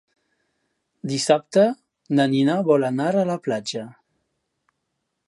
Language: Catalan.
Dissabte na Nina vol anar a la platja.